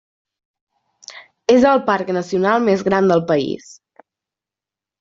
És el parc nacional més gran del país.